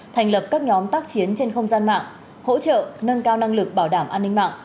thành lập các nhóm tác chiến trên không gian mạng hỗ trợ nâng cao năng lực bảo đảm an ninh mạng